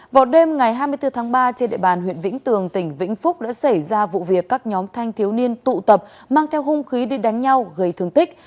vào đêm ngày hai mươi bốn tháng ba trên địa bàn huyện vĩnh tường tỉnh vĩnh phúc đã xảy ra vụ việc các nhóm thanh thiếu niên tụ tập mang theo hung khí đi đánh nhau gây thương tích